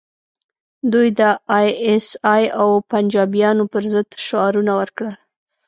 دوی د ای ایس ای او پنجابیانو پر ضد شعارونه ورکړل